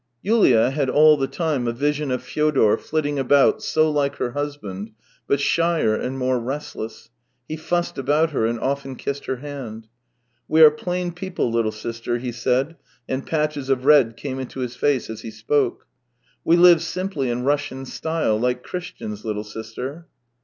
Yulia had all the time a vision of Fyodor flitting about, so like her husband, but shyer and more restless; he fussed about her and often kissed her hand. " We are plain people, Httle sister," he said, and patches of red came into his face as he spoke. " We live simply in Russian style, like Christians, little sister."